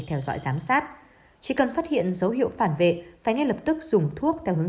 theo dõi giám sát chỉ cần phát hiện dấu hiệu phản vệ phải ngay lập tức dùng thuốc theo hướng